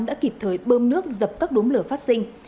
đã kịp thời bơm nước dập tắt đúng lửa phát sinh